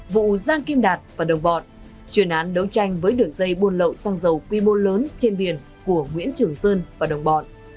vụ giang kim đạt và đồng bọn chuyên án đấu tranh với đường dây buôn lậu xăng dầu quy mô lớn trên biển của nguyễn trường sơn và đồng bọn